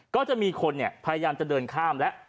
ก็จะมีคนพยายามจะเดินข้ามแล้ว